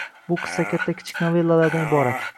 Bu qissa katta-kichik novellalardan iborat.